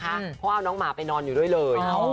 เพราะว่าเอาน้องหมาไปนอนอยู่ด้วยเลย